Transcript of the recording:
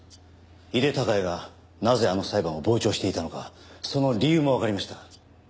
井手孝也がなぜあの裁判を傍聴していたのかその理由もわかりました。